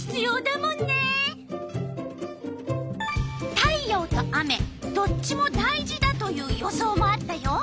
太陽と雨どっちも大事だという予想もあったよ。